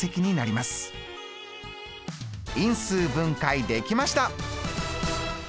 因数分解できました！